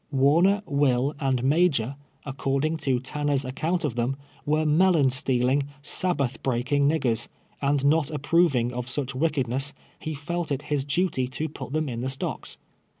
Warner, "VYill and Major, according to Tanner's ac count of them, were melon stealing, Sabbath break ing niggers, and not approving of such wickedness, ho felt it his duty to pnt them in the stocks.